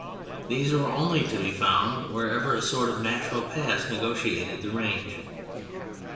These were only to be found wherever a sort of natural pass negotiated the range.